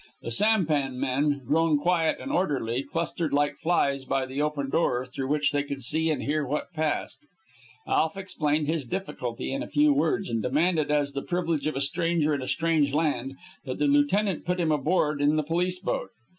The sampan men, grown quiet and orderly, clustered like flies by the open door, through which they could see and hear what passed. Alf explained his difficulty in few words, and demanded, as the privilege of a stranger in a strange land, that the lieutenant put him aboard in the police boat.